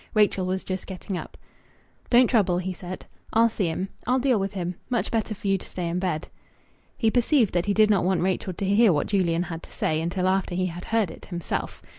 Rachel was just getting up. "Don't trouble," he said. "I'll see him. I'll deal with him. Much better for you to stay in bed." He perceived that he did not want Rachel to hear what Julian had to say until after he had heard it himself.